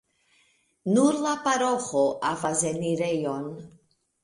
Nur la paroĥo havas enirejon.